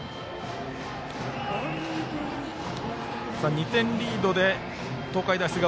２点リードで東海大菅生